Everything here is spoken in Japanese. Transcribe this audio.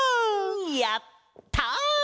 やった！